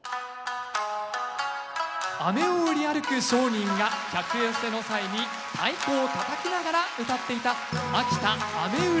飴を売り歩く商人が客寄せの際に太鼓をたたきながらうたっていた「秋田飴売り節」。